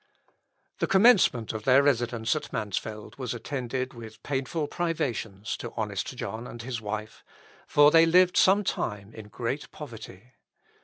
The commencement of their residence at Mansfeld was attended with painful privations to honest John and his wife; for they lived some time in great poverty.